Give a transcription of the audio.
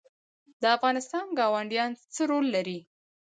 د افغانستان ګاونډیان څه رول لري؟